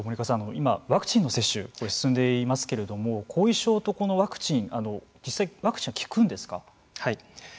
今、ワクチンの接種が進んでいますけれども後遺症とワクチン実際、ワクチンは効くんですか。